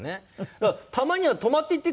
だから「たまには泊まっていってくださいよ」